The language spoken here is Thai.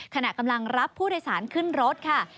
ขณะกำลังรับผู้โดยสารขึ้นรถค่ะ